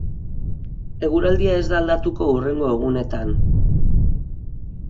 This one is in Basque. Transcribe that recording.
Eguraldia ez da aldatuko hurrengo egunetan.